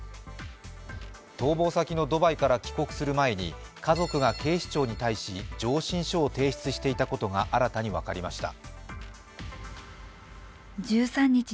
逃亡先のドバイから帰国する前に、家族が警視庁に対し、上申書を提出していたことが新たに分かりました。